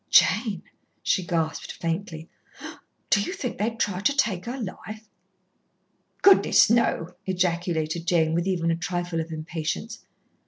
"Jane!" she gasped faintly, "do you think they'd try to take her life?" "Goodness, no!" ejaculated Jane, with even a trifle of impatience.